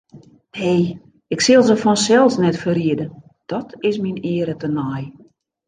Nee, ik sil se fansels net ferriede, dat is myn eare tenei.